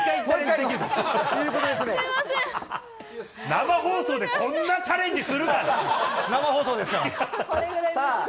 生放送でこんなチャレンジす生放送ですから。